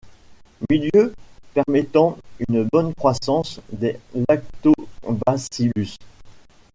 Milieu permettant une bonne croissance des Lactobacillus.